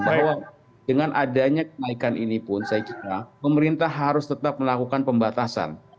bahwa dengan adanya kenaikan ini pun saya kira pemerintah harus tetap melakukan pembatasan